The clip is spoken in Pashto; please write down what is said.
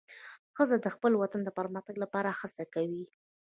ښځه د خپل وطن د پرمختګ لپاره هڅه کوي.